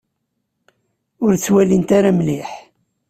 Ur ttwalint ara mliḥ.